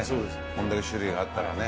こんだけ種類があったらね。